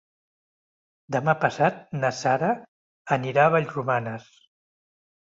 Demà passat na Sara anirà a Vallromanes.